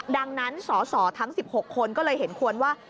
ดังนั้นสสทั้ง๑๖คนก็เลยเห็นควรว่า